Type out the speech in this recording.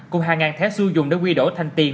cùng hàng ngàn thẻ sư dùng đã quy đổ thành tiền